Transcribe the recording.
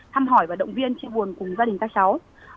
thăm hỏi và động viên chia buồn cùng gia đình các cháu